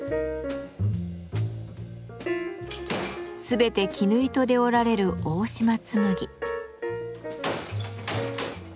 全て絹糸で織られる大島紬。